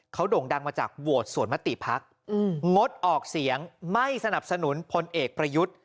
เขาโด่งดังมาจากโหวตสวนมติภักดิ์งดออกเสียงไม่สนับสนุนพลเอกประยุทธ์